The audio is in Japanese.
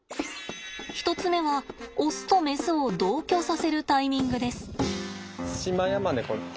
１つ目はオスとメスを同居させるタイミングです。